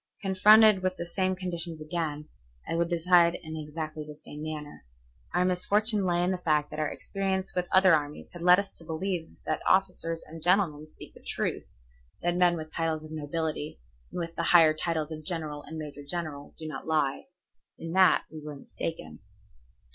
Confronted with the same conditions again, I would decide in exactly the same manner. Our misfortune lay in the fact that our experience with other armies had led us to believe that officers and gentlemen speak the truth, that men with titles of nobility, and with the higher titles of general and major general, do not lie. In that we were mistaken.